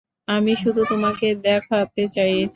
আমি শুধু তোমাকে দেখাতে চেয়েছি।